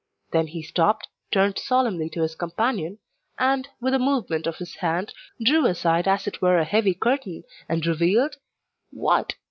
Then he stopped, turned solemnly to his companion, and, with a movement of his hand, drew aside as it were a heavy curtain, and revealed what?